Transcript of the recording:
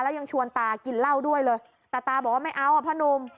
แล้วยังชวนตากินเหล้าด้วยเลยแต่ตาบอกว่าไม่เอาอ่ะพ่อนุ่ม